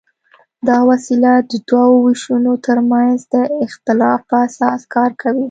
دا وسیله د دوو وېشونو تر منځ د اختلاف په اساس کار کوي.